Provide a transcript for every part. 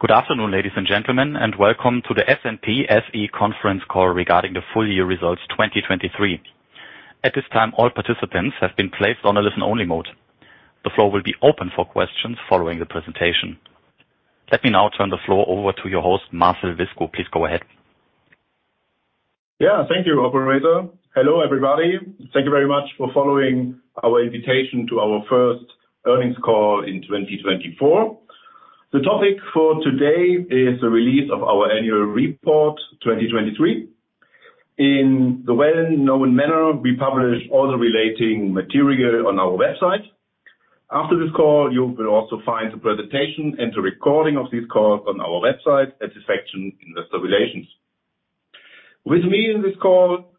Good afternoon, ladies and gentlemen, and welcome to the SNP SE Conference Call Regarding the Full-Year Results 2023. At this time, all participants have been placed on a listen-only mode. The floor will be open for questions following the presentation. Let me now turn the floor over to your host, Marcel Wiskow. Please go ahead. Yeah. Thank you, Operator. Hello, everybody. Thank you very much for following our invitation to our first earnings call in 2024. The topic for today is the release of our annual report 2023. In the well-known manner, we publish all the relating material on our website. After this call, you will also find the presentation and the recording of these calls on our website at SNP Investor Relations. With me in this call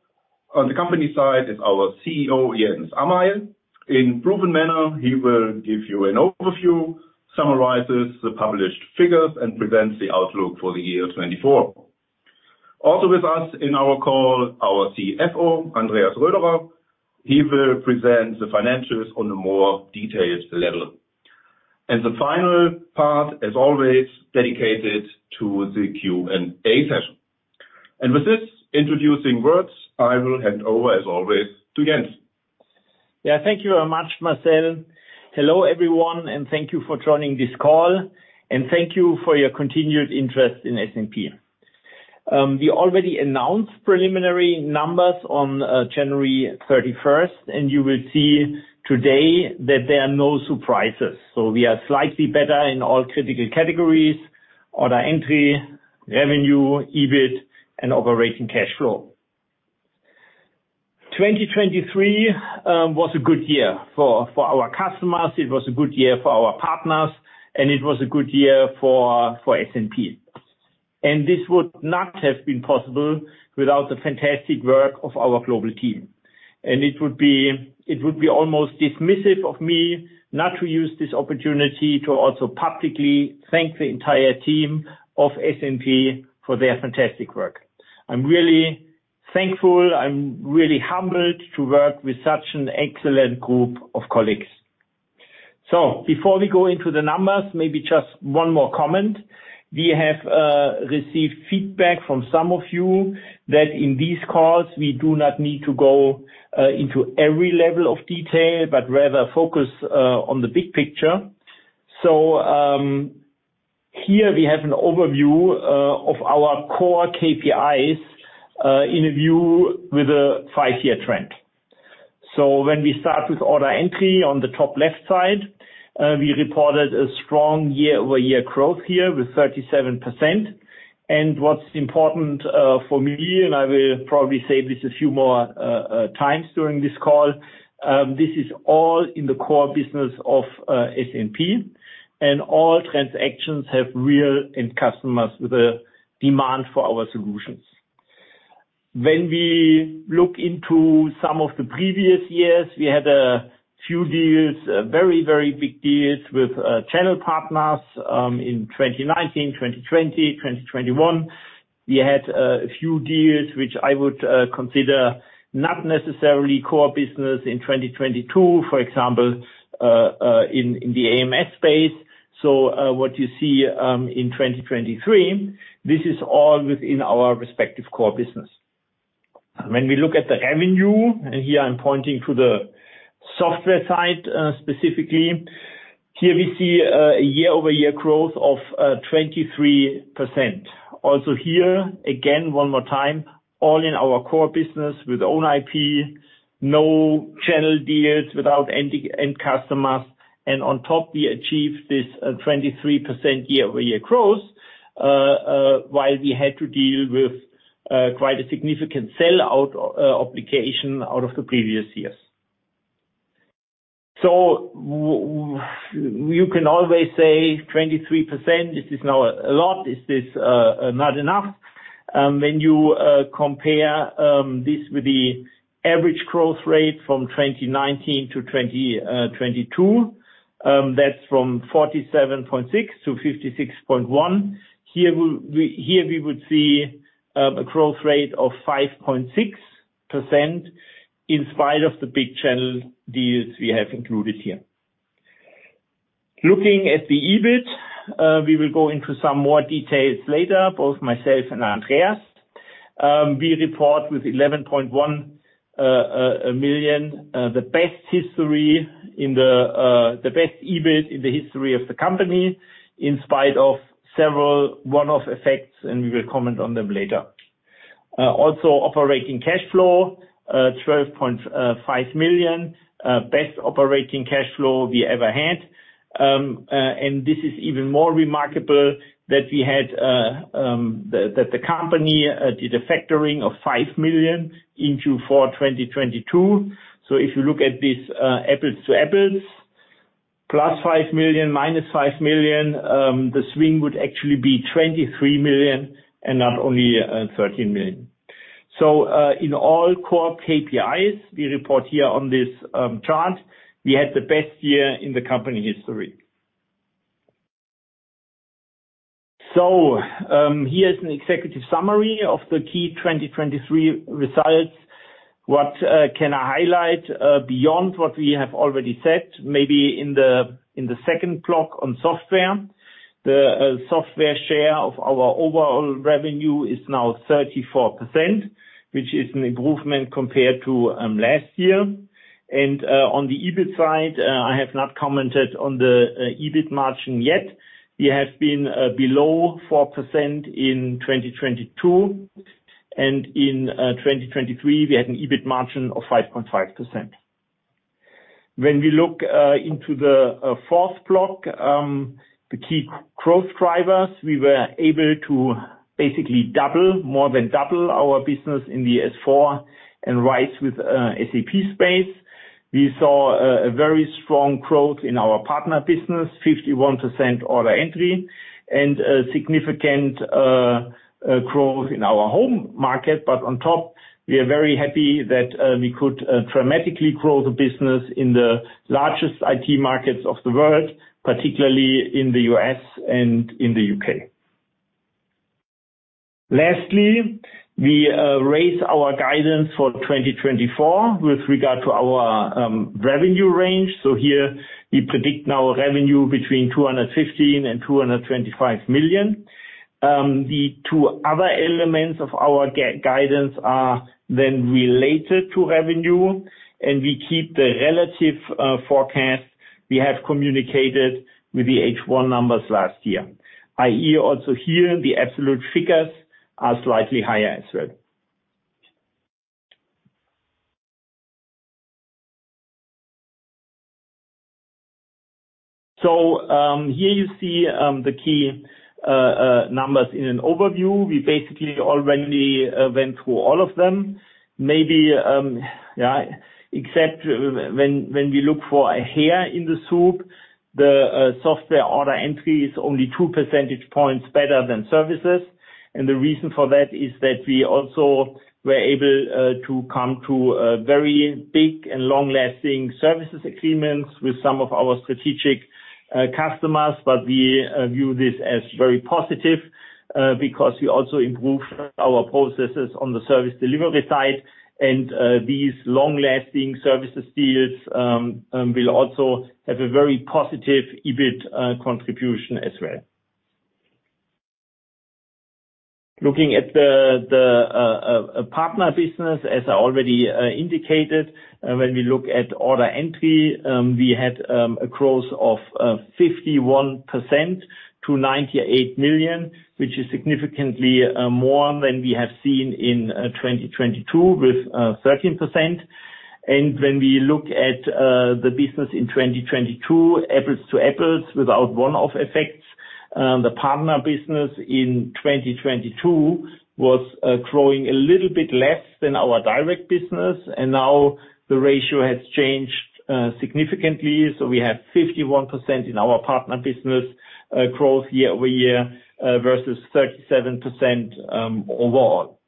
on the company side is our CEO, Jens Amail. In proven manner, he will give you an overview, summarizes the published figures, and presents the outlook for the year 2024. Also with us in our call, our CFO, Andreas Röderer. He will present the financials on a more detailed level. And the final part, as always, is dedicated to the Q&A session. And with this introductory words, I will hand over, as always, to Jens. Yeah. Thank you very much, Marcel. Hello, everyone, and thank you for joining this call. Thank you for your continued interest in SNP. We already announced preliminary numbers on January 31st, and you will see today that there are no surprises. We are slightly better in all critical categories: order entry, revenue, EBIT, and operating cash flow. 2023 was a good year for our customers. It was a good year for our partners, and it was a good year for SNP. This would not have been possible without the fantastic work of our global team. It would be almost dismissive of me not to use this opportunity to also publicly thank the entire team of SNP for their fantastic work. I'm really thankful. I'm really humbled to work with such an excellent group of colleagues. So before we go into the numbers, maybe just one more comment. We have received feedback from some of you that in these calls, we do not need to go into every level of detail but rather focus on the big picture. So here we have an overview of our core KPIs in a view with a five-year trend. So when we start with order entry on the top left side, we reported a strong year-over-year growth here with 37%. And what's important for me, and I will probably say this a few more times during this call, this is all in the core business of SNP, and all transactions have real end customers with a demand for our solutions. When we look into some of the previous years, we had a few deals, very, very big deals with channel partners in 2019, 2020, 2021. We had a few deals which I would consider not necessarily core business in 2022, for example, in the AMS space. So what you see in 2023, this is all within our respective core business. When we look at the revenue, and here I'm pointing to the software side specifically, here we see a year-over-year growth of 23%. Also here, again, one more time, all in our core business with own IP, no channel deals without end customers. And on top, we achieved this 23% year-over-year growth while we had to deal with quite a significant sell-out obligation out of the previous years. So you can always say 23%, is this now a lot? Is this not enough? When you compare this with the average growth rate from 2019-2022, that's from 47.6%-56.1%. Here we would see a growth rate of 5.6% in spite of the big channel deals we have included here. Looking at the EBIT, we will go into some more details later, both myself and Andreas. We report with 11.1 million, the best EBIT in the history of the company in spite of several one-off effects, and we will comment on them later. Also, operating cash flow, 12.5 million, best operating cash flow we ever had. And this is even more remarkable that we had that the company did a factoring of 5 million in Q4 2022. So if you look at this apples to apples, +5 million, -5 million, the swing would actually be 23 million and not only 13 million. So in all core KPIs we report here on this chart, we had the best year in the company history. Here is an executive summary of the key 2023 results. What can I highlight beyond what we have already said? Maybe in the second block on software, the software share of our overall revenue is now 34%, which is an improvement compared to last year. On the EBIT side, I have not commented on the EBIT margin yet. We have been below 4% in 2022. In 2023, we had an EBIT margin of 5.5%. When we look into the fourth block, the key growth drivers, we were able to basically double, more than double our business in the S/4 and RISE with SAP space. We saw a very strong growth in our partner business, 51% order entry, and significant growth in our home market. But on top, we are very happy that we could dramatically grow the business in the largest IT markets of the world, particularly in the U.S. and in the U.K. Lastly, we raise our guidance for 2024 with regard to our revenue range. So here we predict now revenue between 215 million and 225 million. The two other elements of our guidance are then related to revenue, and we keep the relative forecast we have communicated with the H1 numbers last year. I.e., also here, the absolute figures are slightly higher as well. So here you see the key numbers in an overview. We basically already went through all of them. Maybe, yeah, except when we look for a hair in the soup, the software order entry is only two percentage points better than services. The reason for that is that we also were able to come to very big and long-lasting services agreements with some of our strategic customers. We view this as very positive because we also improved our processes on the service delivery side. These long-lasting services deals will also have a very positive EBIT contribution as well. Looking at the partner business, as I already indicated, when we look at order entry, we had a growth of 51% to 98 million, which is significantly more than we have seen in 2022 with 13%. When we look at the business in 2022, apples to apples, without one-off effects, the partner business in 2022 was growing a little bit less than our direct business. Now the ratio has changed significantly. We have 51% in our partner business growth year-over-year vs 37% overall.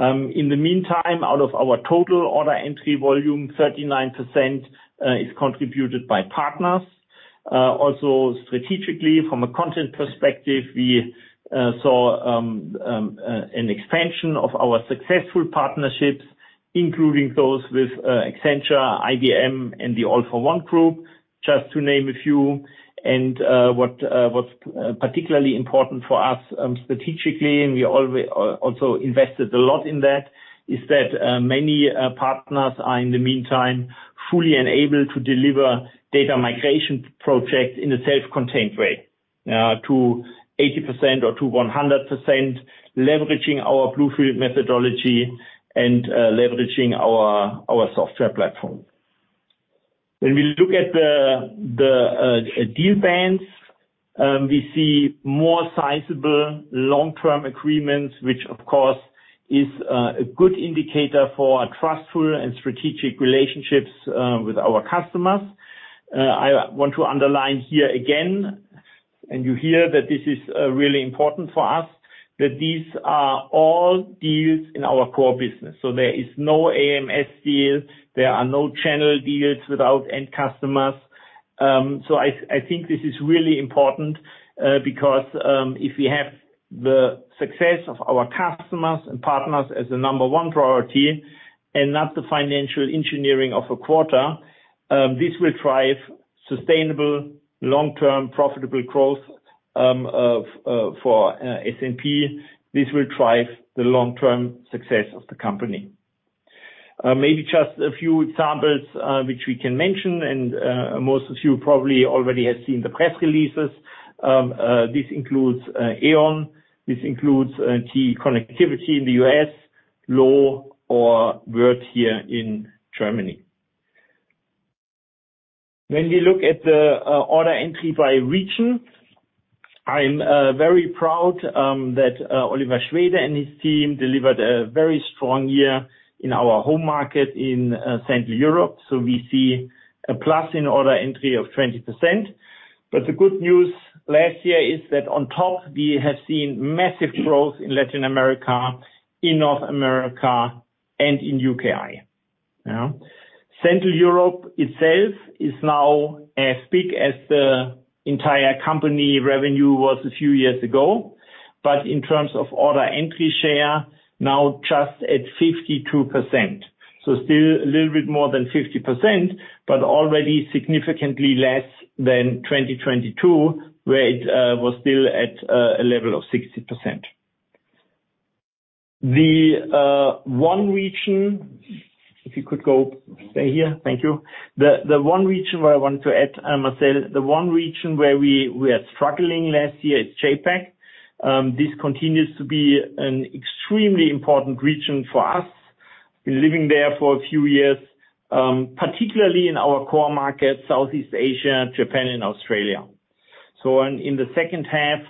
In the meantime, out of our total order entry volume, 39% is contributed by partners. Also, strategically, from a content perspective, we saw an expansion of our successful partnerships, including those with Accenture, IBM, and the All for One Group, just to name a few. What's particularly important for us strategically, and we also invested a lot in that, is that many partners are, in the meantime, fully enabled to deliver data migration projects in a self-contained way, to 80% or to 100%, leveraging our BLUEFIELD methodology and leveraging our software platform. When we look at the deal bands, we see more sizable long-term agreements, which, of course, is a good indicator for trustful and strategic relationships with our customers. I want to underline here again, and you hear that this is really important for us, that these are all deals in our core business. So there is no AMS deal. There are no channel deals without end customers. So I think this is really important because if we have the success of our customers and partners as a number one priority and not the financial engineering of a quarter, this will drive sustainable, long-term, profitable growth for SNP. This will drive the long-term success of the company. Maybe just a few examples which we can mention, and most of you probably already have seen the press releases. This includes E.ON. This includes TE Connectivity in the U.S., Lowe's, or Würth here in Germany. When we look at the order entry by region, I'm very proud that Oliver Schwede and his team delivered a very strong year in our home market in Central Europe. So we see a plus in order entry of 20%. But the good news last year is that on top, we have seen massive growth in Latin America, in North America, and in U.K.. Central Europe itself is now as big as the entire company revenue was a few years ago. But in terms of order entry share, now just at 52%. So still a little bit more than 50%, but already significantly less than 2022, where it was still at a level of 60%. The one region, if you could go stay here. Thank you. The one region where I wanted to add, Marcel, the one region where we were struggling last year is JAPAC. This continues to be an extremely important region for us. We've been living there for a few years, particularly in our core markets, Southeast Asia, Japan, and Australia. So in the second half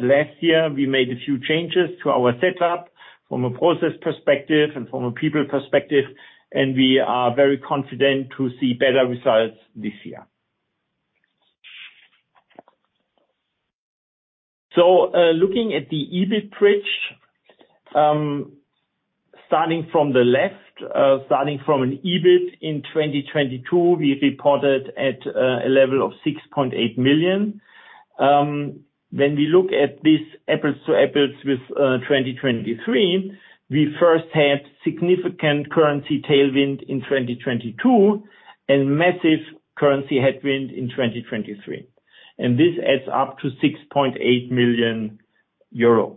last year, we made a few changes to our setup from a process perspective and from a people perspective. We are very confident to see better results this year. So looking at the EBIT bridge, starting from the left, starting from an EBIT in 2022, we reported at a level of 6.8 million. When we look at this apples to apples with 2023, we first had significant currency tailwind in 2022 and massive currency headwind in 2023. And this adds up to 6.8 million euro.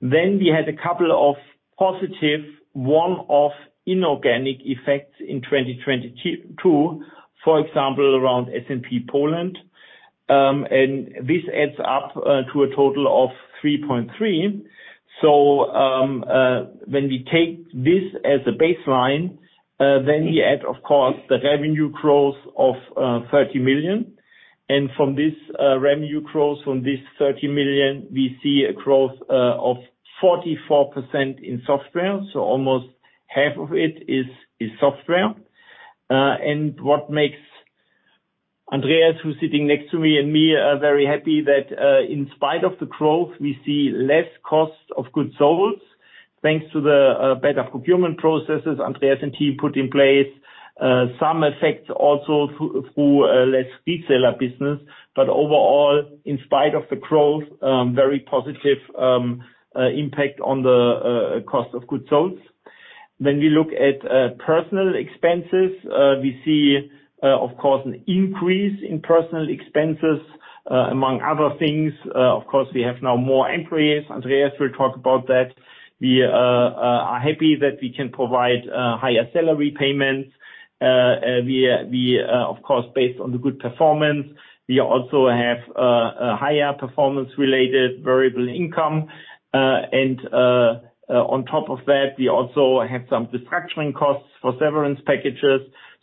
Then we had a couple of positive, one-off inorganic effects in 2022, for example, around SNP Poland. And this adds up to a total of 3.3 million. So when we take this as a baseline, then we add, of course, the revenue growth of 30 million. From this revenue growth, from this 30 million, we see a growth of 44% in software. So almost half of it is software. And what makes Andreas, who's sitting next to me and me, very happy that in spite of the growth, we see less cost of goods sold thanks to the better procurement processes Andreas and team put in place, some effects also through less reseller business. But overall, in spite of the growth, very positive impact on the cost of goods sold. When we look at personnel expenses, we see, of course, an increase in personnel expenses, among other things. Of course, we have now more employees. Andreas will talk about that. We are happy that we can provide higher salary payments. Of course, based on the good performance, we also have higher performance-related variable income. On top of that, we also have some restructuring costs for severance packages.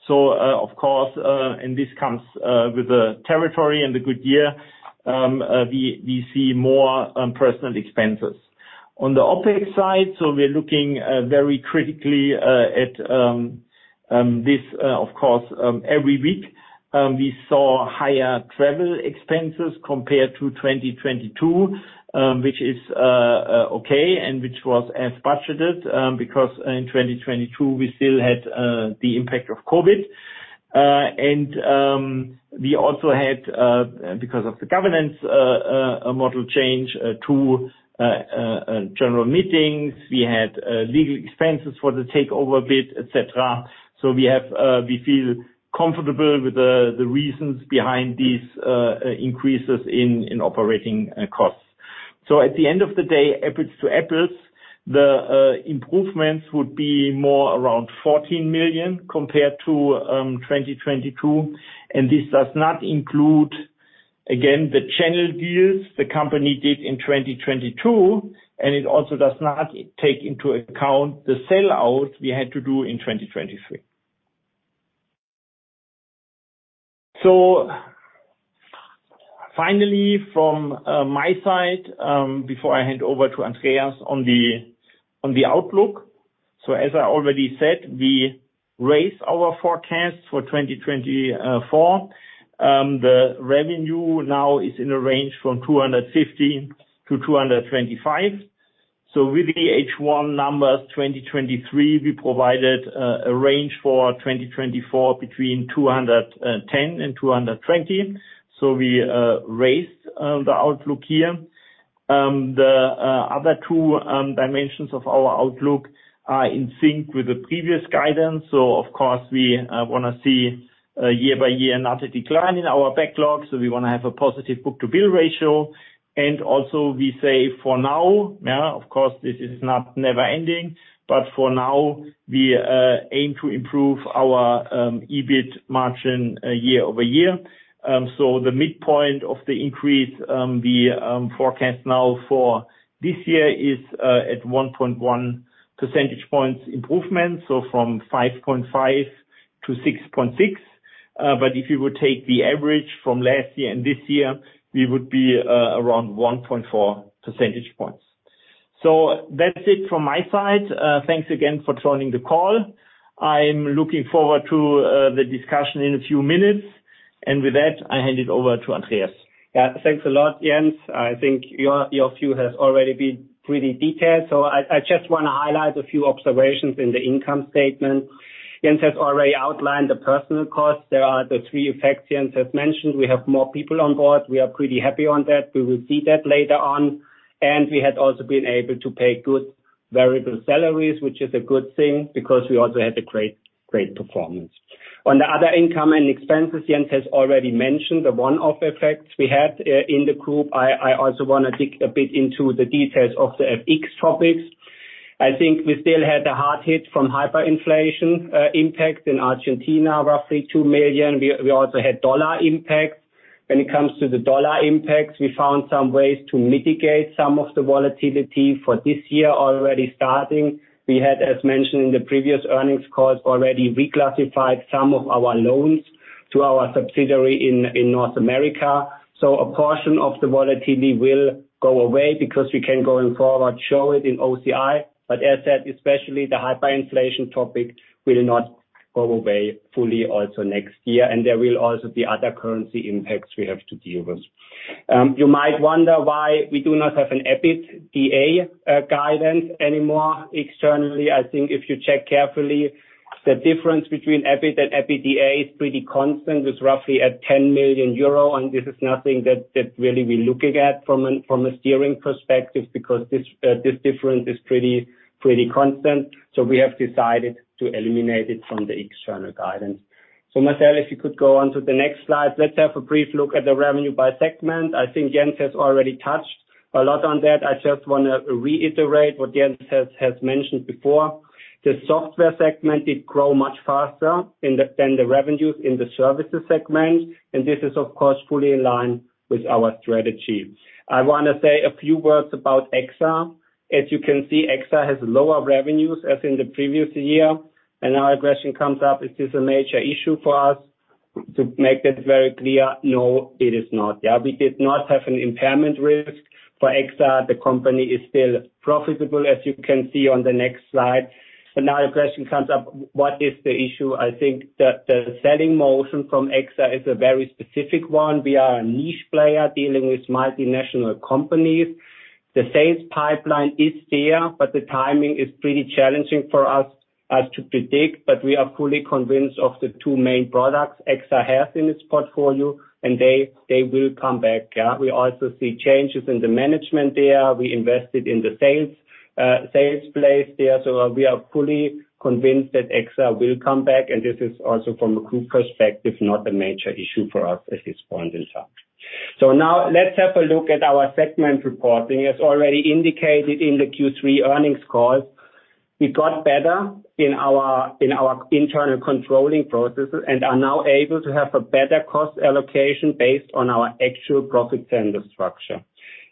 So of course, and this comes with the territory and the good year, we see more personnel expenses. On the OpEx side, so we're looking very critically at this, of course, every week, we saw higher travel expenses compared to 2022, which is okay and which was as budgeted because in 2022, we still had the impact of COVID. And we also had, because of the governance model change, two general meetings. We had legal expenses for the takeover bid, etc. So we feel comfortable with the reasons behind these increases in operating costs. So at the end of the day, apples to apples, the improvements would be more around 14 million compared to 2022. And this does not include, again, the channel deals the company did in 2022. It also does not take into account the sellout we had to do in 2023. So finally, from my side, before I hand over to Andreas on the outlook, so as I already said, we raise our forecast for 2024. The revenue now is in a range from 250 million-225 million. So with the H1 2023 numbers, we provided a range for 2024 between 210 million and 220 million. So we raised the outlook here. The other two dimensions of our outlook are in sync with the previous guidance. So of course, we want to see year by year not a decline in our backlog. So we want to have a positive book-to-bill ratio. And also we say for now, yeah, of course, this is not never-ending, but for now, we aim to improve our EBIT margin year-over-year. The midpoint of the increase we forecast now for this year is at 1.1 percentage points improvement, so from 5.5%-6.6%. But if you would take the average from last year and this year, we would be around 1.4 percentage points. That's it from my side. Thanks again for joining the call. I'm looking forward to the discussion in a few minutes. With that, I hand it over to Andreas. Yeah. Thanks a lot, Jens. I think your view has already been pretty detailed. So I just want to highlight a few observations in the income statement. Jens has already outlined the personnel costs. There are the three effects Jens has mentioned. We have more people on board. We are pretty happy on that. We will see that later on. And we had also been able to pay good variable salaries, which is a good thing because we also had a great, great performance. On the other income and expenses, Jens has already mentioned the one-off effects we had in the group. I also want to dig a bit into the details of the FX topics. I think we still had a hard hit from hyperinflation impact in Argentina, roughly 2 million. We also had dollar impacts. When it comes to the dollar impacts, we found some ways to mitigate some of the volatility for this year already starting. We had, as mentioned in the previous earnings calls, already reclassified some of our loans to our subsidiary in North America. So a portion of the volatility will go away because we can go and forward show it in OCI. But as said, especially the hyperinflation topic will not go away fully also next year. And there will also be other currency impacts we have to deal with. You might wonder why we do not have an EBITDA guidance anymore externally. I think if you check carefully, the difference between EBIT and EBITDA is pretty constant. It's roughly at 10 million euro. And this is nothing that really we're looking at from a steering perspective because this difference is pretty constant. So we have decided to eliminate it from the external guidance. So Marcel, if you could go on to the next slide, let's have a brief look at the revenue by segment. I think Jens has already touched a lot on that. I just want to reiterate what Jens has mentioned before. The Software segment did grow much faster than the revenues in the Services segment. And this is, of course, fully in line with our strategy. I want to say a few words about EXA. As you can see, EXA has lower revenues as in the previous year. And now a question comes up, "Is this a major issue for us?" To make that very clear, no, it is not. Yeah, we did not have an impairment risk for EXA. The company is still profitable, as you can see on the next slide. But now a question comes up, "What is the issue?" I think the selling motion from EXA is a very specific one. We are a niche player dealing with multinational companies. The sales pipeline is there, but the timing is pretty challenging for us to predict. But we are fully convinced of the two main products EXA has in its portfolio, and they will come back. Yeah, we also see changes in the management there. We invested in the sales plays there. So we are fully convinced that EXA will come back. And this is also from a group perspective, not a major issue for us at this point in time. So now let's have a look at our segment reporting. As already indicated in the Q3 earnings calls, we got better in our internal controlling processes and are now able to have a better cost allocation based on our actual profit center structure.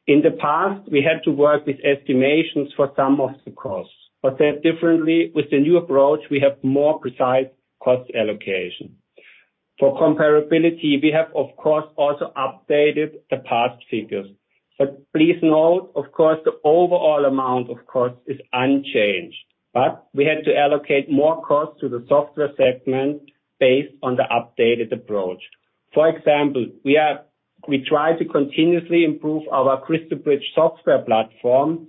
In the past, we had to work with estimations for some of the costs. But said differently, with the new approach, we have more precise cost allocation. For comparability, we have, of course, also updated the past figures. But please note, of course, the overall amount of costs is unchanged. But we had to allocate more costs to the Software segment based on the updated approach. For example, we try to continuously improve our CrystalBridge software platform.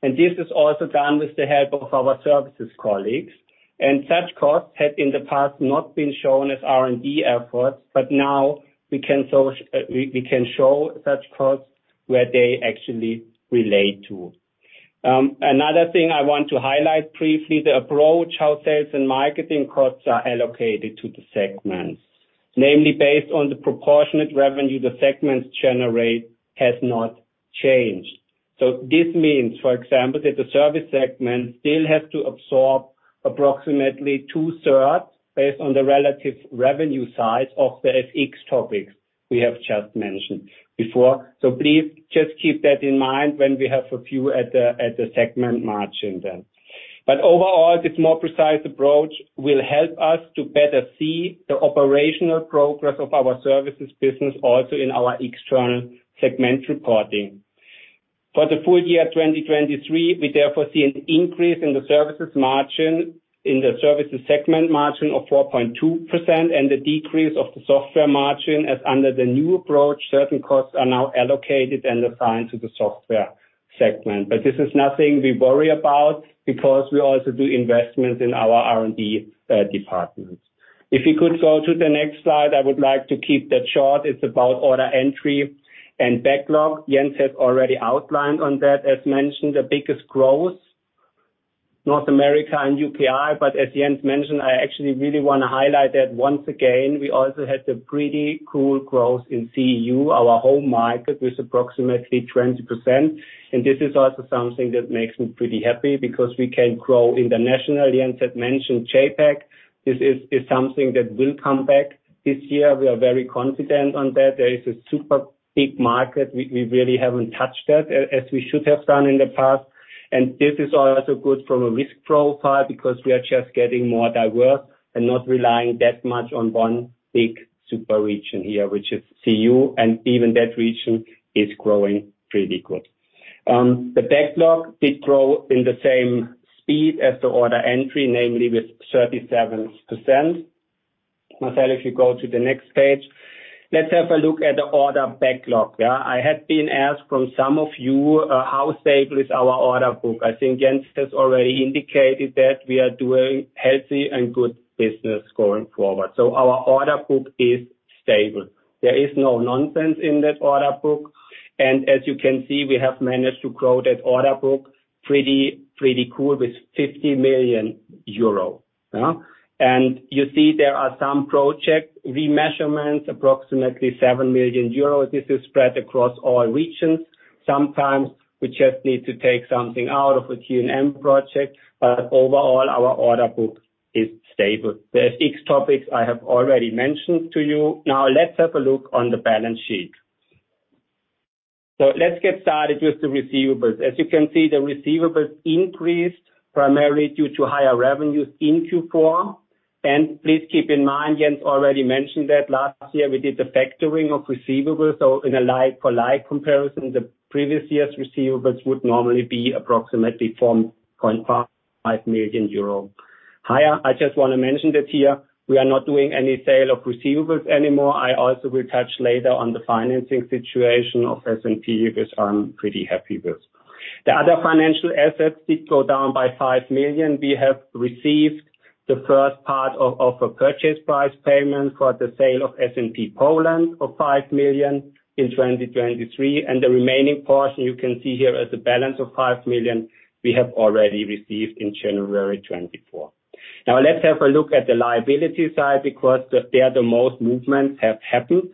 And this is also done with the help of our services colleagues. And such costs had in the past not been shown as R&D efforts. But now we can show such costs where they actually relate to. Another thing I want to highlight briefly, the approach, how sales and marketing costs are allocated to the segments, namely based on the proportionate revenue the segments generate, has not changed. So this means, for example, that the Services segment still has to absorb approximately two-thirds based on the relative revenue size of the FX topics we have just mentioned before. So please just keep that in mind when we have a view at the segment margin then. But overall, this more precise approach will help us to better see the operational progress of our services business also in our external segment reporting. For the full year 2023, we therefore see an increase in the services margin in the Services segment margin of 4.2% and a decrease of the software margin. As under the new approach, certain costs are now allocated and assigned to the Software segment. This is nothing we worry about because we also do investments in our R&D department. If you could go to the next slide, I would like to keep that short. It's about order entry and backlog. Jens has already outlined on that, as mentioned, the biggest growth, North America and U.K.. But as Jens mentioned, I actually really want to highlight that once again, we also had a pretty cool growth in CEU, our home market, with approximately 20%. And this is also something that makes me pretty happy because we can grow internationally. Jens had mentioned JAPAC. This is something that will come back this year. We are very confident on that. There is a super big market. We really haven't touched that as we should have done in the past. This is also good from a risk profile because we are just getting more diverse and not relying that much on one big super region here, which is CEU. Even that region is growing pretty good. The backlog did grow in the same speed as the order entry, namely with 37%. Marcel, if you go to the next page, let's have a look at the order backlog. Yeah, I had been asked from some of you, "How stable is our order book?" I think Jens has already indicated that we are doing healthy and good business going forward. Our order book is stable. There is no nonsense in that order book. As you can see, we have managed to grow that order book pretty cool with 50 million euro. You see there are some project remeasurements, approximately 7 million euros. This is spread across all regions. Sometimes we just need to take something out of a T&M project. But overall, our order book is stable. The FX topics, I have already mentioned to you. Now let's have a look on the balance sheet. So let's get started with the receivables. As you can see, the receivables increased primarily due to higher revenues in Q4. And please keep in mind, Jens already mentioned that last year, we did the factoring of receivables. So for light comparison, the previous year's receivables would normally be approximately 4.5 million euro. Higher, I just want to mention that here, we are not doing any sale of receivables anymore. I also will touch later on the financing situation of SNP which I'm pretty happy with. The other financial assets did go down by 5 million. We have received the first part of a purchase price payment for the sale of SNP Poland of 5 million in 2023. The remaining portion, you can see here as a balance of 5 million, we have already received in January 2024. Now let's have a look at the liability side because there are the most movements have happened.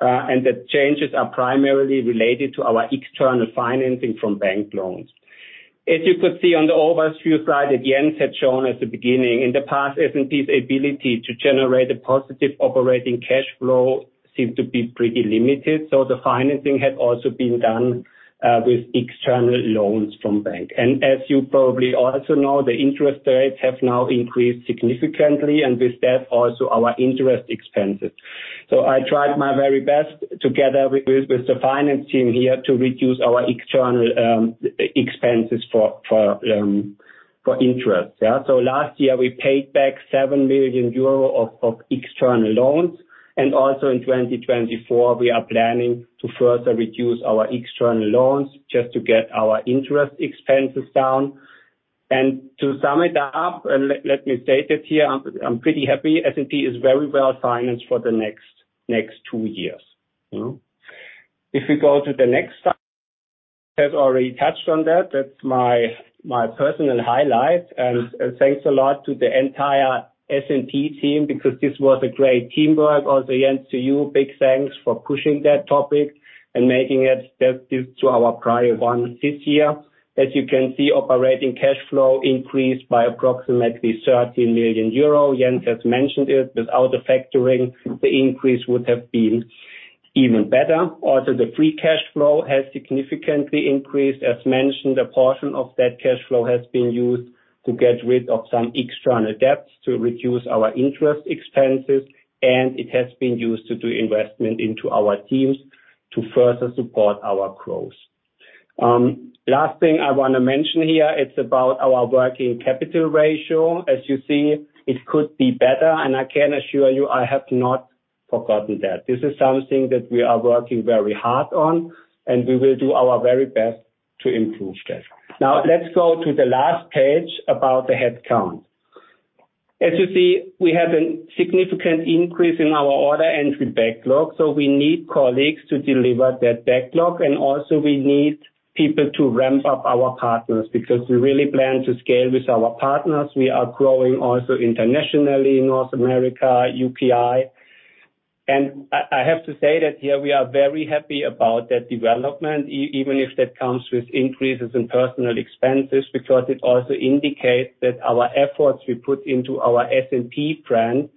The changes are primarily related to our external financing from bank loans. As you could see on the overview slide that Jens had shown at the beginning, in the past, SNP's ability to generate a positive operating cash flow seemed to be pretty limited. So the financing had also been done with external loans from bank. As you probably also know, the interest rates have now increased significantly. With that, also our interest expenses. So I tried my very best together with the finance team here to reduce our external expenses for interest. Yeah, so last year, we paid back 7 million euro of external loans. Also in 2024, we are planning to further reduce our external loans just to get our interest expenses down. To sum it up, and let me state it here, I'm pretty happy SNP is very well financed for the next two years. If we go to the next slide, I have already touched on that. That's my personal highlight. Thanks a lot to the entire SNP team because this was a great teamwork. Also, Jens, to you, big thanks for pushing that topic and making it to our prior one this year. As you can see, operating cash flow increased by approximately 13 million euro. Jens has mentioned it. Without the factoring, the increase would have been even better. Also, the free cash flow has significantly increased. As mentioned, a portion of that cash flow has been used to get rid of some external debts to reduce our interest expenses. And it has been used to do investment into our teams to further support our growth. Last thing I want to mention here, it's about our working capital ratio. As you see, it could be better. And I can assure you, I have not forgotten that. This is something that we are working very hard on. And we will do our very best to improve that. Now let's go to the last page about the headcount. As you see, we had a significant increase in our order entry backlog. So we need colleagues to deliver that backlog. Also, we need people to ramp up our partners because we really plan to scale with our partners. We are growing also internationally in North America, U.K.. And I have to say that here, we are very happy about that development, even if that comes with increases in personnel expenses because it also indicates that our efforts we put into our SNP brand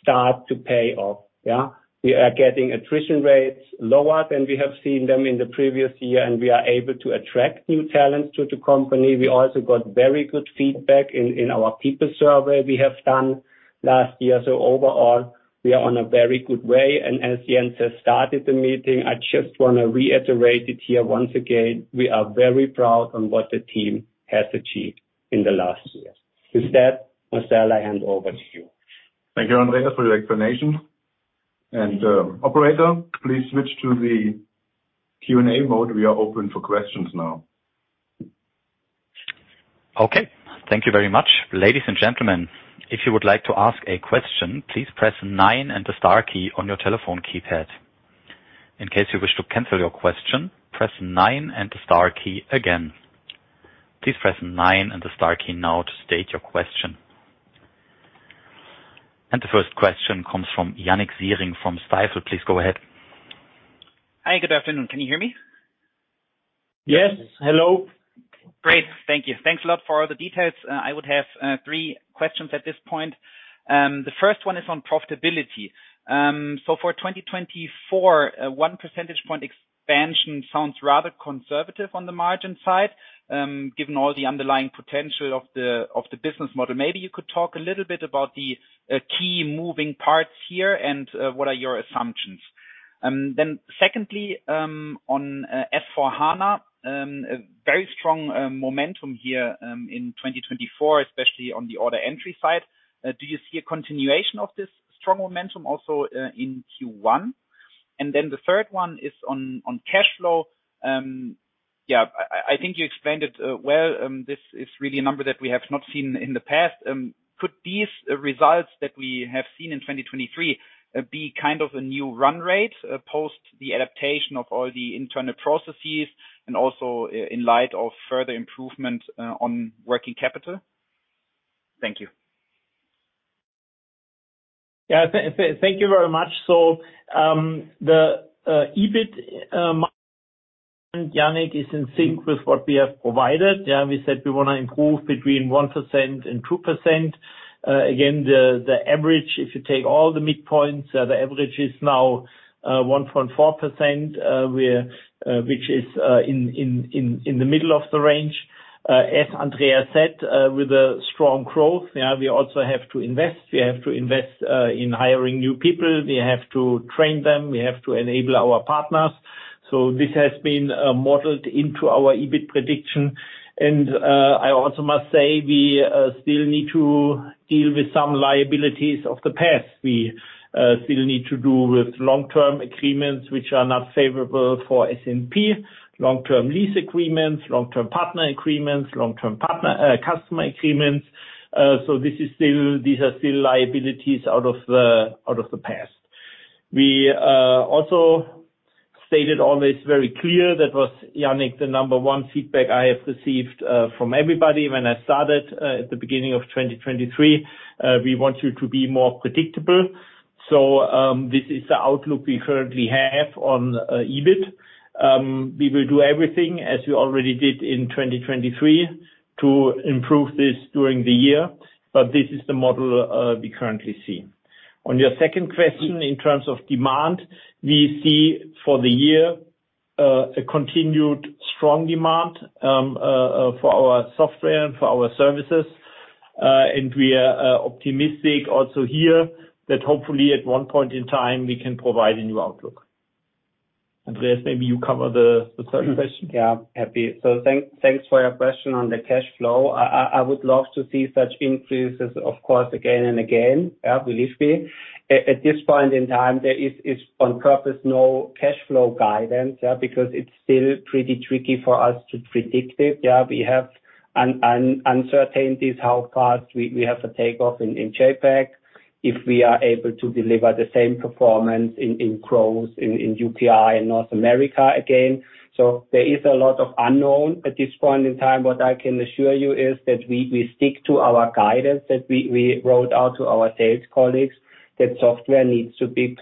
start to pay off. Yeah, we are getting attrition rates lower than we have seen them in the previous year. And we are able to attract new talents to the company. We also got very good feedback in our people survey we have done last year. So overall, we are on a very good way. And as Jens has started the meeting, I just want to reiterate it here once again, we are very proud on what the team has achieved in the last year. With that, Marcel, I hand over to you. Thank you, Andreas, for your explanation. And operator, please switch to the Q&A mode. We are open for questions now. Okay. Thank you very much. Ladies and gentlemen, if you would like to ask a question, please press nine and the star key on your telephone keypad. In case you wish to cancel your question, press nine and the star key again. Please press nine and the star key now to state your question. And the first question comes from Yannik Siering from Stifel. Please go ahead. Hi, good afternoon. Can you hear me? Yes. Hello. Great.Thank you. Thanks a lot for all the details. I would have three questions at this point. The first one is on profitability. So for 2024, one percentage point expansion sounds rather conservative on the margin side given all the underlying potential of the business model. Maybe you could talk a little bit about the key moving parts here and what are your assumptions. Then secondly, on S/4HANA, very strong momentum here in 2024, especially on the order entry side. Do you see a continuation of this strong momentum also in Q1? And then the third one is on cash flow. Yeah, I think you explained it well. This is really a number that we have not seen in the past. Could these results that we have seen in 2023 be kind of a new run rate post the adaptation of all the internal processes and also in light of further improvement on working capital? Thank you. Yeah, thank you very much. So the EBIT margin, Yannik, is in sync with what we have provided. Yeah, we said we want to improve between 1%-2%. Again, the average, if you take all the midpoints, the average is now 1.4%, which is in the middle of the range. As Andreas said, with the strong growth, yeah, we also have to invest. We have to invest in hiring new people. We have to train them. We have to enable our partners. So this has been modeled into our EBIT prediction. And I also must say we still need to deal with some liabilities of the past. We still need to do with long-term agreements which are not favorable for SNP, long-term lease agreements, long-term partner agreements, long-term customer agreements. So these are still liabilities out of the past. We also stated always very clear that was, Yannik, the number one feedback I have received from everybody when I started at the beginning of 2023, "We want you to be more predictable." So this is the outlook we currently have on EBIT. We will do everything as we already did in 2023 to improve this during the year. But this is the model we currently see. On your second question, in terms of demand, we see for the year a continued strong demand for our software and for our services. And we are optimistic also here that hopefully, at one point in time, we can provide a new outlook. Andreas, maybe you cover the third question. Yeah, happy. So thanks for your question on the cash flow. I would love to see such increases, of course, again and again. Yeah, believe me. At this point in time, there is on purpose no cash flow guidance, yeah, because it's still pretty tricky for us to predict it. Yeah, we have uncertainties how fast we have a takeoff in JAPAC, if we are able to deliver the same performance in growth in U.K. and North America again. So there is a lot of unknown at this point in time. What I can assure you is that we stick to our guidance that we wrote out to our sales colleagues that software needs to be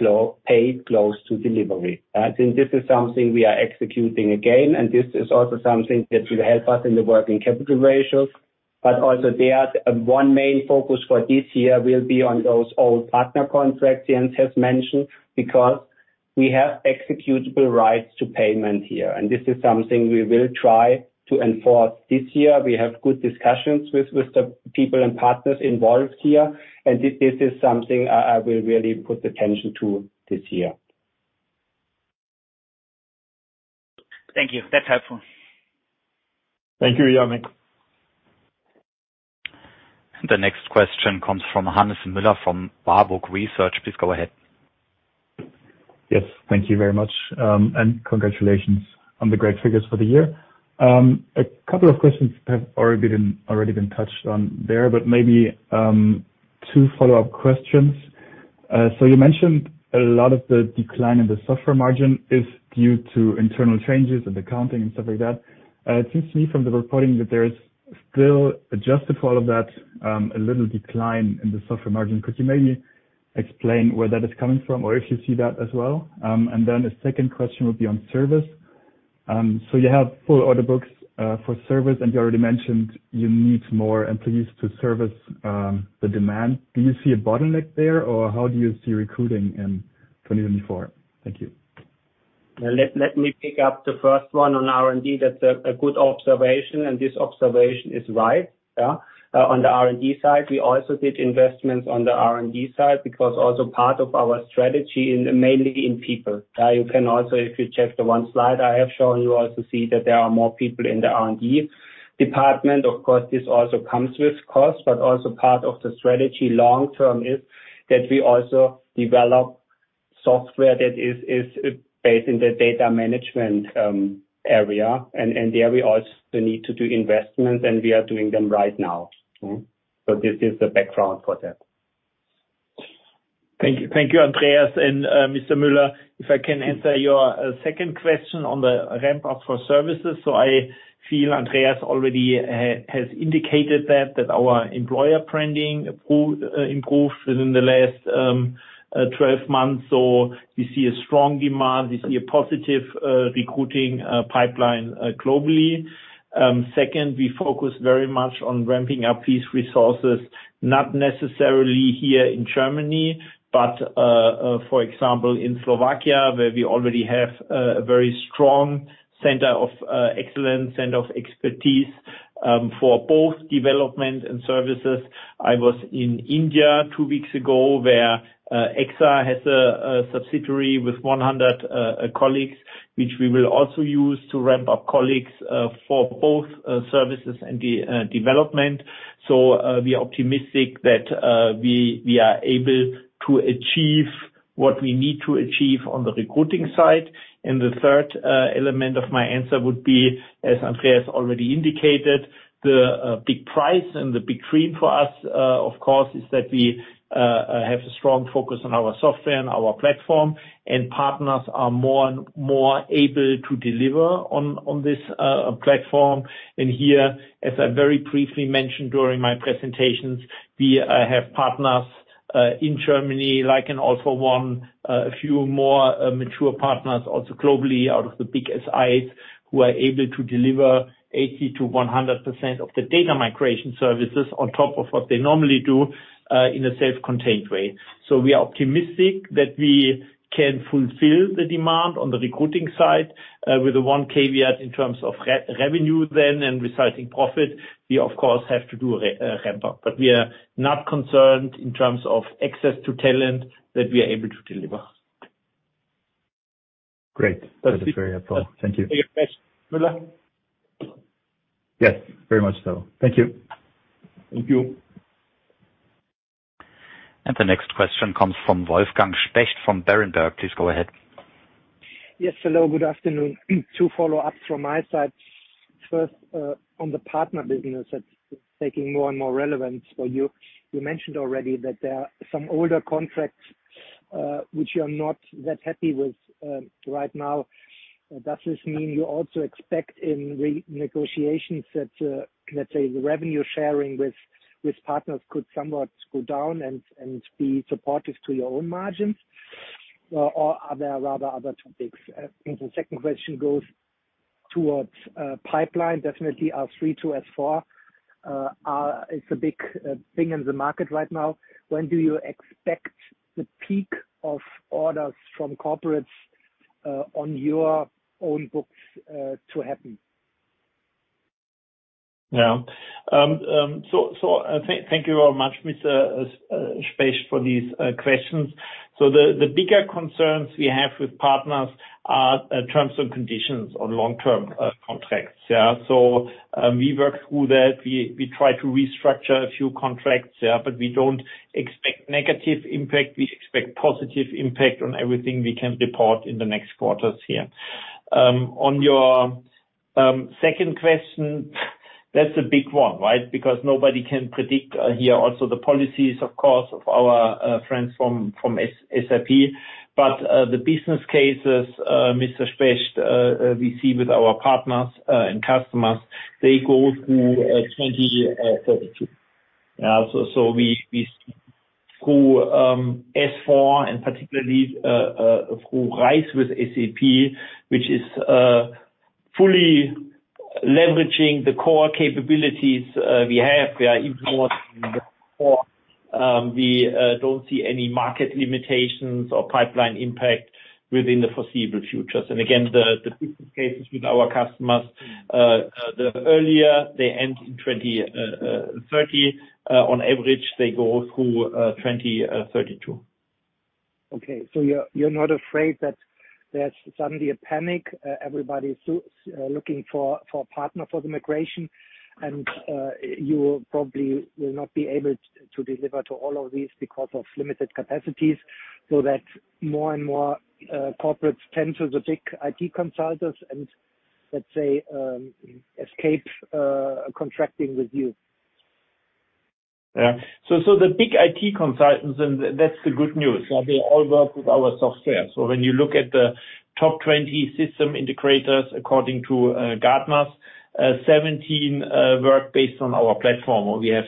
paid close to delivery. And this is something we are executing again. And this is also something that will help us in the working capital ratio. But also there, one main focus for this year will be on those old partner contracts, Jens has mentioned, because we have executable rights to payment here. This is something we will try to enforce this year. We have good discussions with the people and partners involved here. This is something I will really put attention to this year. Thank you. That's helpful. Thank you, Yannik. The next question comes from Hannes Müller from Warburg Research. Please go ahead. Yes. Thank you very much. Congratulations on the great figures for the year. A couple of questions have already been touched on there, but maybe two follow-up questions. You mentioned a lot of the decline in the software margin is due to internal changes in accounting and stuff like that. It seems to me from the reporting that there is still, just before all of that, a little decline in the software margin. Could you maybe explain where that is coming from or if you see that as well? Then a second question would be on service. So you have full order books for service, and you already mentioned you need more employees to service the demand. Do you see a bottleneck there, or how do you see recruiting in 2024? Thank you. Let me pick up the first one on R&D. That's a good observation. This observation is right. Yeah, on the R&D side, we also did investments on the R&D side because also part of our strategy is mainly in people. Yeah, you can also, if you check the one slide I have shown you, also see that there are more people in the R&D department. Of course, this also comes with cost, but also part of the strategy long-term is that we also develop software that is based in the data management area. There we also need to do investments, and we are doing them right now. This is the background for that. Thank you. Thank you, Andreas and Mr. Müller. If I can answer your second question on the ramp-up for services. I feel Andreas already has indicated that our employer branding improved within the last 12 months. We see a strong demand. We see a positive recruiting pipeline globally. Second, we focus very much on ramping up these resources, not necessarily here in Germany, but, for example, in Slovakia, where we already have a very strong center of excellence, center of expertise for both development and services. I was in India two weeks ago where EXA has a subsidiary with 100 colleagues, which we will also use to ramp up colleagues for both services and development. So we are optimistic that we are able to achieve what we need to achieve on the recruiting side. And the third element of my answer would be, as Andreas already indicated, the big prize and the big dream for us, of course, is that we have a strong focus on our software and our platform. And partners are more and more able to deliver on this platform. And here, as I very briefly mentioned during my presentations, we have partners in Germany, like All for One, a few more mature partners also globally out of the big SIs who are able to deliver 80%-100% of the data migration services on top of what they normally do in a self-contained way. So we are optimistic that we can fulfill the demand on the recruiting side. With the one caveat in terms of revenue then and resulting profit, we, of course, have to do a ramp-up. But we are not concerned in terms of access to talent that we are able to deliver. Great. That is very helpful. Thank you. Yes, very much so. Thank you. Thank you. And the next question comes from Wolfgang Specht from Berenberg. Please go ahead. Yes. Hello. Good afternoon. Two follow-ups from my side. First, on the partner business that's taking more and more relevance for you. You mentioned already that there are some older contracts which you are not that happy with right now. Does this mean you also expect in renegotiations that, let's say, the revenue sharing with partners could somewhat go down and be supportive to your own margins, or are there rather other topics? And the second question goes towards pipeline. Definitely, R/3 to S/4 is a big thing in the market right now. When do you expect the peak of orders from corporates on your own books to happen? Yeah. So thank you very much, Mr. Specht, for these questions. So the bigger concerns we have with partners are terms and conditions on long-term contracts. Yeah, so we work through that. We try to restructure a few contracts. Yeah, but we don't expect negative impact. We expect positive impact on everything we can report in the next quarters here. On your second question, that's a big one, right, because nobody can predict here also the policies, of course, of our friends from SAP. But the business cases, Mr. Specht, we see with our partners and customers, they go through 2032. Yeah, so we see through S/4 and particularly through RISE with SAP, which is fully leveraging the core capabilities we have. We are even more than before. We don't see any market limitations or pipeline impact within the foreseeable futures. And again, the business cases with our customers, the earlier they end in 2030, on average, they go through 2032. Okay. So you're not afraid that there's suddenly a panic? Everybody's looking for a partner for the migration, and you probably will not be able to deliver to all of these because of limited capacities so that more and more corporates tend to the big IT consultants and, let's say, escape contracting with you? Yeah. So the big IT consultants, and that's the good news, they all work with our software. So when you look at the top 20 system integrators according to Gartner's, 17 work based on our platform, or we have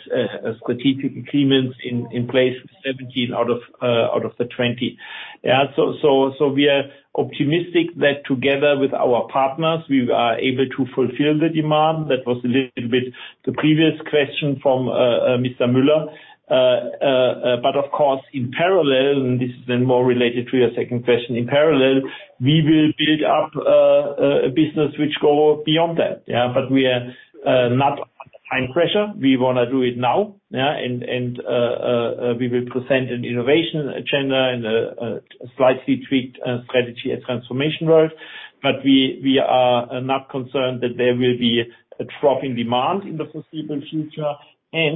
strategic agreements in place with 17 out of the 20. Yeah, so we are optimistic that together with our partners, we are able to fulfill the demand. That was a little bit the previous question from Mr. Müller. But of course, in parallel, and this is then more related to your second question, in parallel, we will build up a business which goes beyond that. Yeah, but we are not under time pressure. We want to do it now. Yeah, and we will present an innovation agenda and a slightly tweaked strategy at Transformation World. But we are not concerned that there will be a drop in demand in the foreseeable future.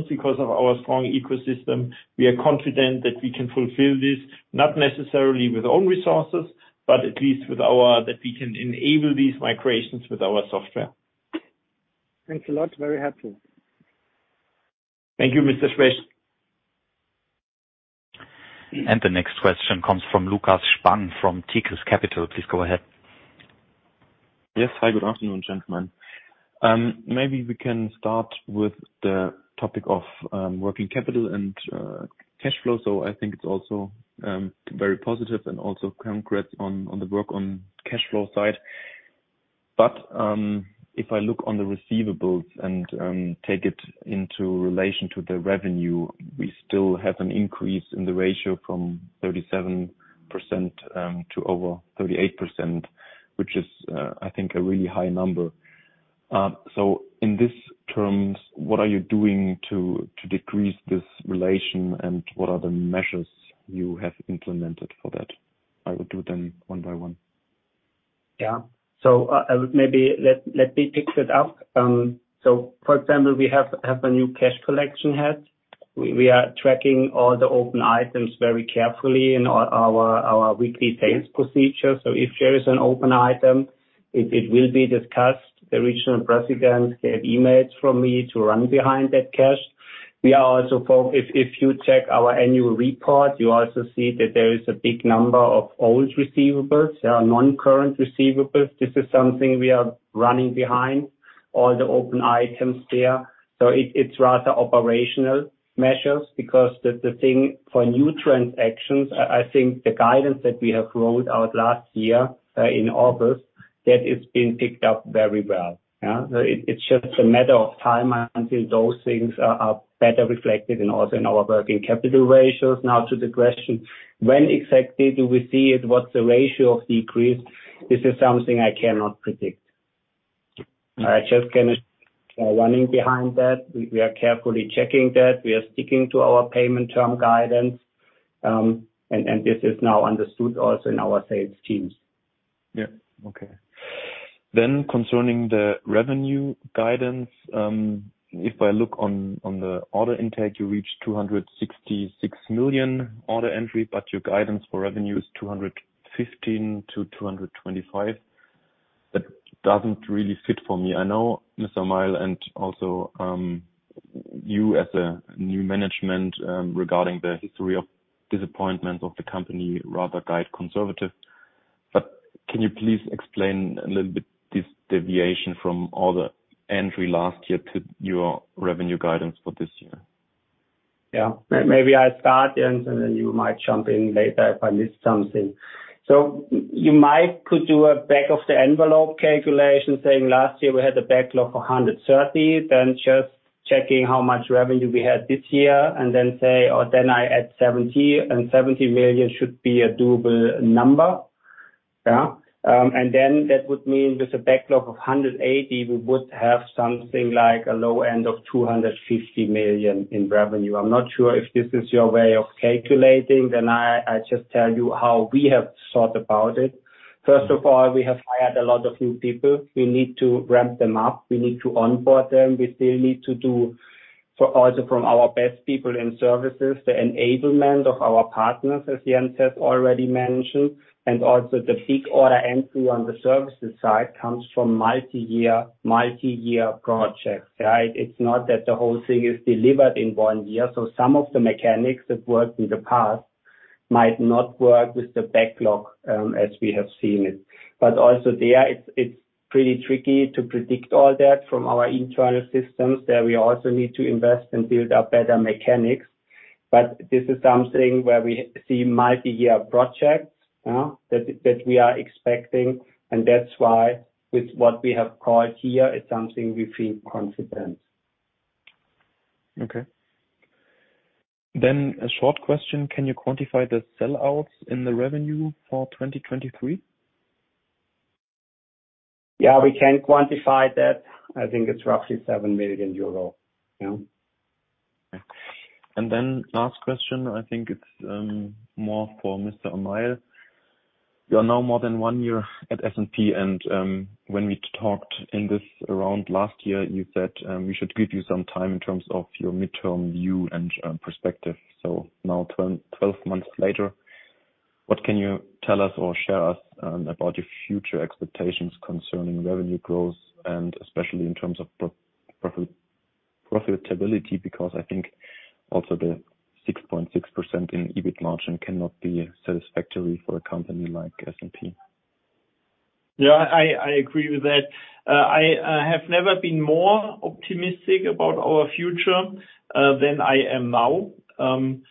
Because of our strong ecosystem, we are confident that we can fulfill this, not necessarily with own resources, but at least with our that we can enable these migrations with our software. Thanks a lot. Very helpful. Thank you, Mr. Specht. The next question comes from Lukas Spang from Tigris Capital. Please go ahead. Yes. Hi. Good afternoon, gentlemen. Maybe we can start with the topic of working capital and cash flow. So I think it's also very positive and also congrats on the work on cash flow side. But if I look on the receivables and take it into relation to the revenue, we still have an increase in the ratio from 37% to over 38%, which is, I think, a really high number. So, in these terms, what are you doing to decrease this relation, and what are the measures you have implemented for that? I will do them one by one. Yeah. So maybe let me pick that up. So, for example, we have a new cash collection head. We are tracking all the open items very carefully in our weekly sales procedure. So if there is an open item, it will be discussed. The regional presidents get emails from me to run behind that cash. We are also, if you check our annual report, you also see that there is a big number of old receivables, non-current receivables. This is something we are running behind, all the open items there. So it's rather operational measures because the thing for new transactions, I think the guidance that we have wrote out last year in August, that has been picked up very well. Yeah, so it's just a matter of time until those things are better reflected and also in our working capital ratios. Now to the question, when exactly do we see it? What's the ratio of decrease? This is something I cannot predict. I just cannot running behind that. We are carefully checking that. We are sticking to our payment term guidance. And this is now understood also in our sales teams. Yeah. Okay. Then concerning the revenue guidance, if I look on the order intake, you reached 266 million order entry, but your guidance for revenue is 215 million-225 million. That doesn't really fit for me. I know, Mr. Amail, and also you as a new management regarding the history of disappointments of the company rather guide conservative. But can you please explain a little bit this deviation from all the entry last year to your revenue guidance for this year? Yeah. Maybe I start, Jens, and then you might jump in later if I missed something. So you might could do a back-of-the-envelope calculation saying last year we had a backlog of 130 million, then just checking how much revenue we had this year, and then say, "Oh, then I add 70," and 70 million should be a doable number. Yeah? And then that would mean with a backlog of 180 million, we would have something like a low end of 250 million in revenue. I'm not sure if this is your way of calculating. Then I just tell you how we have thought about it. First of all, we have hired a lot of new people. We need to ramp them up. We need to onboard them. We still need to do also from our best people in services, the enablement of our partners, as Jens has already mentioned. And also the big order entry on the services side comes from multi-year projects. Yeah? It's not that the whole thing is delivered in one year. So some of the mechanics that worked in the past might not work with the backlog as we have seen it. But also there, it's pretty tricky to predict all that from our internal systems that we also need to invest and build up better mechanics. But this is something where we see multi-year projects that we are expecting. And that's why with what we have called here, it's something we feel confident. Okay. Then a short question. Can you quantify the sellouts in the revenue for 2023? Yeah, we can quantify that. I think it's roughly 7 million euro. Yeah? Okay. Then last question. I think it's more for Mr. Amail. You are now more than one year at SNP. And when we talked in this round last year, you said we should give you some time in terms of your midterm view and perspective. So now 12 months later, what can you tell us or share us about your future expectations concerning revenue growth, and especially in terms of profitability? Because I think also the 6.6% in EBIT margin cannot be satisfactory for a company like SNP. Yeah, I agree with that. I have never been more optimistic about our future than I am now, knowing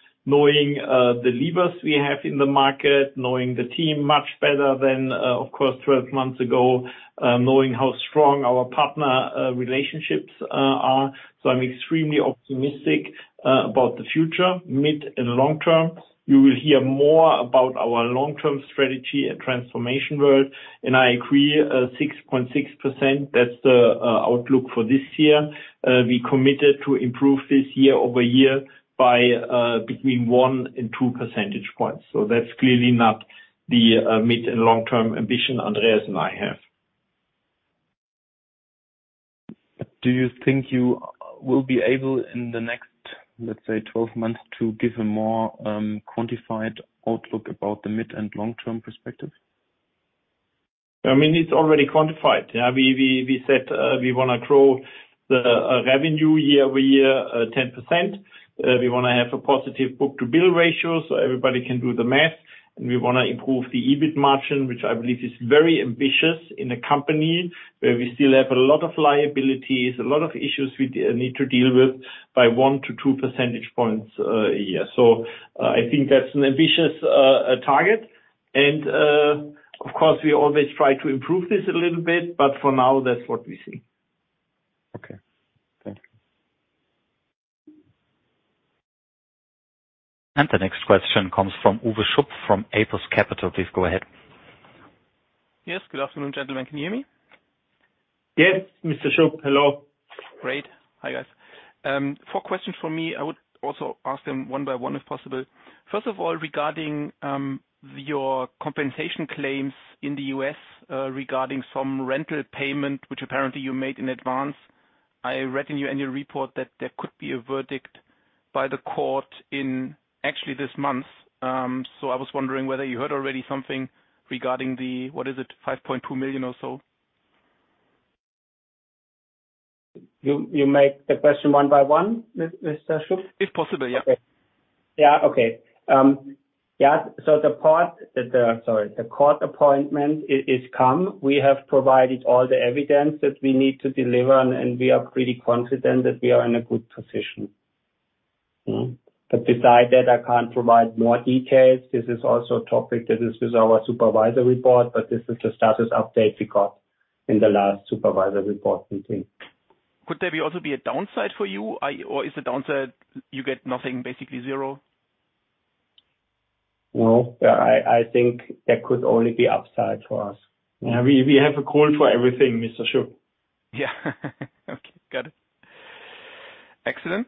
the levers we have in the market, knowing the team much better than, of course, 12 months ago, knowing how strong our partner relationships are. So I'm extremely optimistic about the future, mid and long term. You will hear more about our long-term strategy at Transformation World. I agree, 6.6%, that's the outlook for this year. We committed to improve this year-over-year by between 1 and 2 percentage points. So that's clearly not the mid and long-term ambition Andreas and I have. Do you think you will be able in the next, let's say, 12 months to give a more quantified outlook about the mid and long-term perspective? I mean, it's already quantified. Yeah, we said we want to grow the revenue year-over-year 10%. We want to have a positive book-to-bill ratio so everybody can do the math. We want to improve the EBIT margin, which I believe is very ambitious in a company where we still have a lot of liabilities, a lot of issues we need to deal with by 1-2 percentage points a year. I think that's an ambitious target. Of course, we always try to improve this a little bit, but for now, that's what we see. Okay. Thank you. The next question comes from Uwe Schupp from APUS Capital. Please go ahead. Yes. Good afternoon, gentlemen. Can you hear me? Yes, Mr. Schupp. Hello. Great. Hi, guys. Four questions for me. I would also ask them one by one, if possible. First of all, regarding your compensation claims in the U.S. regarding some rental payment, which apparently you made in advance, I read in your annual report that there could be a verdict by the court in actually this month. So I was wondering whether you heard already something regarding the what is it, $5.2 million or so? You make the question one by one, Mr. Schupp? If possible. Yeah. Yeah. Okay. Yeah. So the part that the sorry, the court appointment has come. We have provided all the evidence that we need to deliver, and we are pretty confident that we are in a good position. But beside that, I can't provide more details. This is also a topic that is with our Supervisory Board, but this is the status update we got in the last Supervisory Board meeting. Could there also be a downside for you, or is the downside you get nothing, basically zero? No. I think there could only be upside for us. Yeah. We have a call for everything, Mr. Schupp. Yeah. Okay. Got it. Excellent.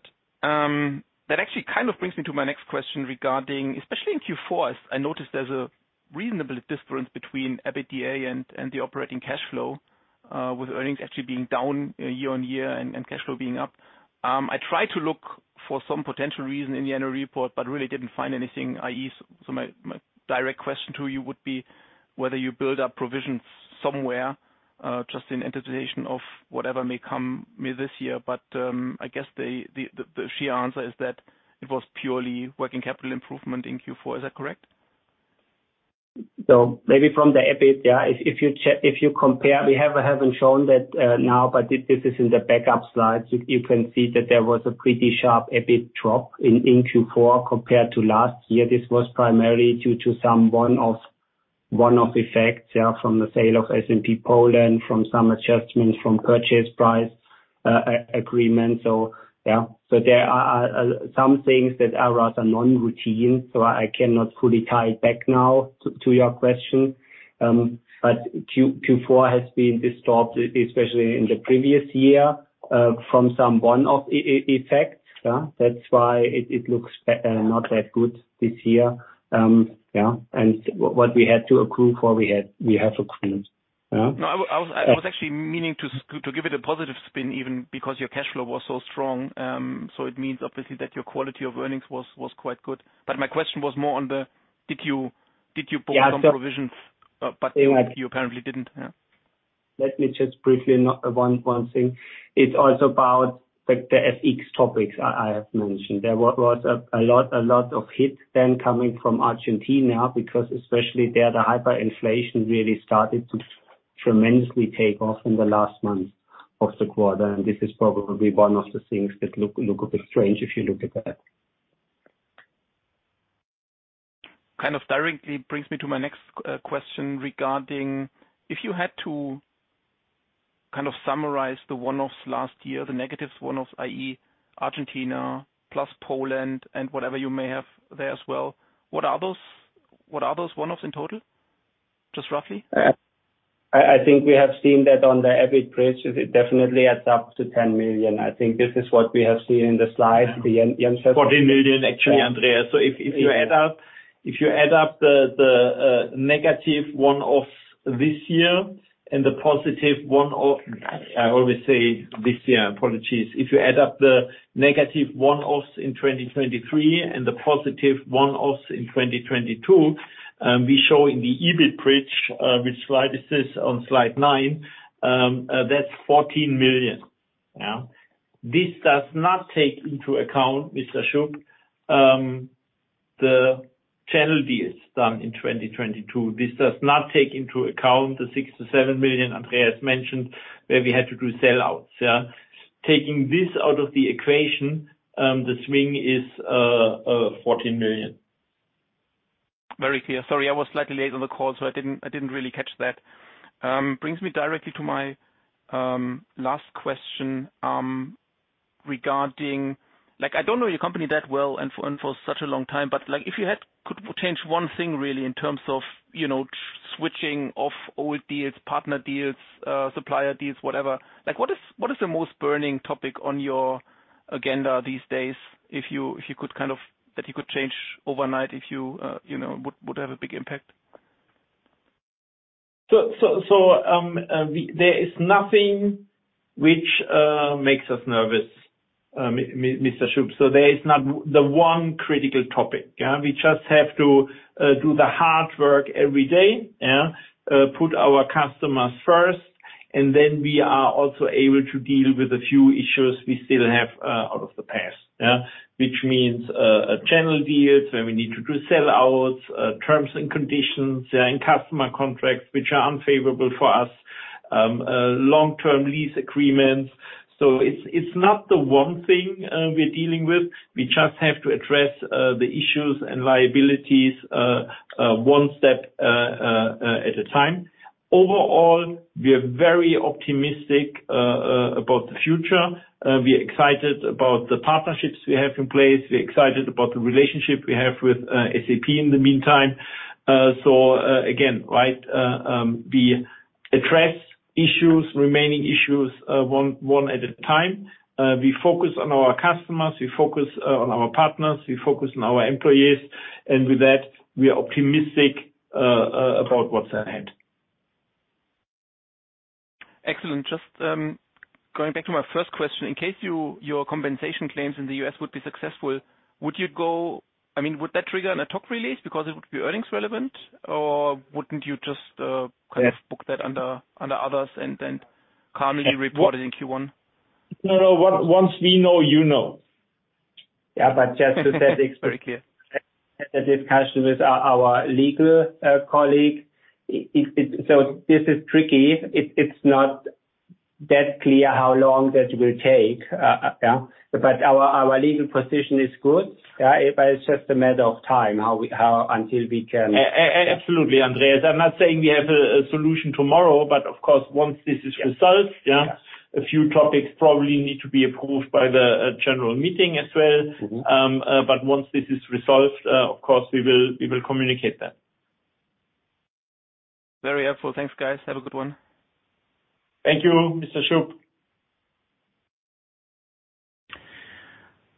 That actually kind of brings me to my next question regarding especially in Q4, I noticed there's a reasonable difference between EBITDA and the operating cash flow, with earnings actually being down year-on-year and cash flow being up. I tried to look for some potential reason in the annual report, but really didn't find anything, i.e., so my direct question to you would be whether you build up provisions somewhere just in anticipation of whatever may come this year. But I guess the sheer answer is that it was purely working capital improvement in Q4. Is that correct? So maybe from the EBIT, yeah, if you compare we haven't shown that now, but this is in the backup slides. You can see that there was a pretty sharp EBIT drop in Q4 compared to last year. This was primarily due to some one-off effects, yeah, from the sale of SNP Poland, from some adjustments from purchase price agreements. So yeah. So there are some things that are rather non-routine, so I cannot fully tie it back now to your question. But Q4 has been disturbed, especially in the previous year, from some one-off effects. Yeah? That's why it looks not that good this year. Yeah? And what we had to accrue for, we have accrued. Yeah? No, I was actually meaning to give it a positive spin even because your cash flow was so strong. So it means, obviously, that your quality of earnings was quite good. But my question was more on the, did you book some provisions, but you apparently didn't. Yeah? Let me just briefly note one thing. It's also about the FX topics I have mentioned. There was a lot of hit then coming from Argentina because especially there, the hyperinflation really started to tremendously take off in the last month of the quarter. And this is probably one of the things that look a bit strange if you look at that. Kind of directly brings me to my next question regarding if you had to kind of summarize the one-offs last year, the negative one-offs, i.e., Argentina plus Poland and whatever you may have there as well, what are those one-offs in total, just roughly? I think we have seen that on the EBIT rates. It definitely adds up to 10 million. I think this is what we have seen in the slide, Jens has. 40 million, actually, Andreas. So if you add up if you add up the negative one-offs this year and the positive one-off I always say this year. Apologies. If you add up the negative one-offs in 2023 and the positive one-offs in 2022, we show in the EBIT bridge which slide is this? On slide nine, that's 14 million. Yeah? This does not take into account, Mr. Schupp, the channel deals done in 2022. This does not take into account the 6 million-7 million Andreas mentioned where we had to do sellouts. Yeah? Taking this out of the equation, the swing is 14 million. Very clear. Sorry, I was slightly late on the call, so I didn't really catch that. Brings me directly to my last question regarding I don't know your company that well and for such a long time, but if you could change one thing, really, in terms of switching off old deals, partner deals, supplier deals, whatever, what is the most burning topic on your agenda these days if you could kind of that you could change overnight if you would have a big impact? So there is nothing which makes us nervous, Mr. Schupp. So there is not the one critical topic. Yeah? We just have to do the hard work every day, yeah, put our customers first, and then we are also able to deal with a few issues we still have out of the past, yeah, which means channel deals where we need to do sellouts, terms and conditions, yeah, in customer contracts which are unfavorable for us, long-term lease agreements. So it's not the one thing we're dealing with. We just have to address the issues and liabilities one step at a time. Overall, we are very optimistic about the future. We are excited about the partnerships we have in place. We are excited about the relationship we have with SAP in the meantime. So again, right, we address issues, remaining issues, one at a time. We focus on our customers. We focus on our partners. We focus on our employees. And with that, we are optimistic about what's ahead. Excellent. Just going back to my first question. In case your compensation claims in the U.S. would be successful, would you go, I mean, would that trigger an ad hoc release because it would be earnings-relevant, or wouldn't you just kind of book that under others and then calmly report it in Q1? No, no. Once we know, you know. Yeah. But just to set the discussion with our legal colleague, so this is tricky. It's not that clear how long that will take. Yeah? But our legal position is good. Yeah? But it's just a matter of time until we can. Absolutely, Andreas. I'm not saying we have a solution tomorrow, but of course, once this is resolved, yeah, a few topics probably need to be approved by the general meeting as well. But once this is resolved, of course, we will communicate that. Very helpful. Thanks, guys. Have a good one. Thank you, Mr. Schupp.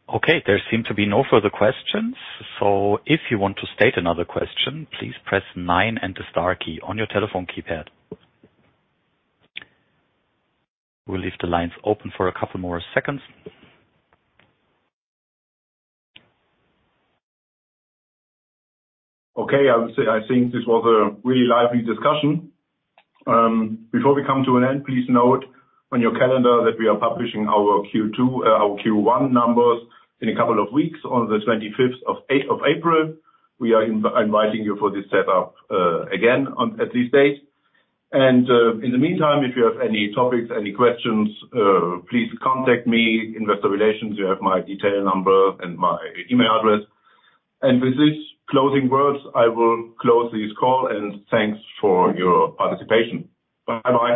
Okay. There seem to be no further questions. So if you want to state another question, please press nine and the star key on your telephone keypad. We'll leave the lines open for a couple more seconds. Okay. I think this was a really lively discussion. Before we come to an end, please note on your calendar that we are publishing our Q1 numbers in a couple of weeks on the 25th of April. We are inviting you for this setup again at this date. In the meantime, if you have any topics, any questions, please contact me, Investor Relations. You have my direct number and my email address. With these closing words, I will close this call. Thanks for your participation. Bye-bye.